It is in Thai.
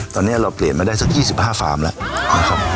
ตอนนี้เราเปลี่ยนมาได้สัก๒๕ฟาร์มแล้วนะครับ